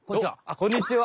こんにちは。